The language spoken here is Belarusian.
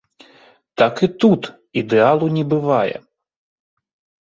Так і тут, ідэалу не бывае.